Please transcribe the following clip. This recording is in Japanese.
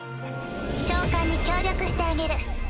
召喚に協力してあげる。